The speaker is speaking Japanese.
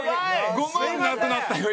５万なくなったよ